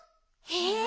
え？